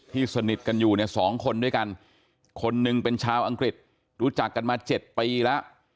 สนิทกันอยู่เนี่ย๒คนด้วยกันคนหนึ่งเป็นชาวอังกฤษรู้จักกันมา๗ปีแล้ว